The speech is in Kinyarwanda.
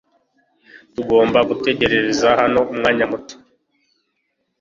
Tugomba gutegereza hano umwanya muto .